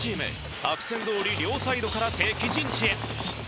作戦どおり両サイドから敵陣地へ。